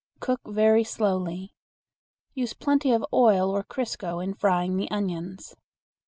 Cook very slowly. Use plenty of oil or crisco in frying the onions.